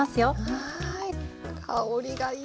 はい。